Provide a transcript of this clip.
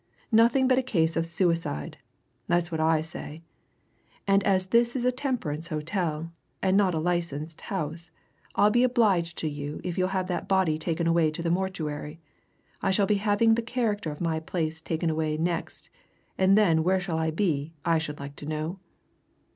nothing but a case of suicide, that's what I say. And as this is a temperance hotel, and not a licensed house, I'll be obliged to you if you'll have that body taken away to the mortuary I shall be having the character of my place taken away next, and then where shall I be I should like to know!"